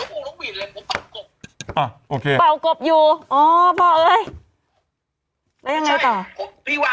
แล้วบอกว่าผมอ่ะเป็นแจ๊งนกหวีนผมบอกว่าผมไม่ได้เป่าเป่านกหวีนเลย